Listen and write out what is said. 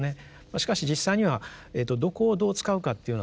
しかし実際にはどこをどう使うかっていうのはですね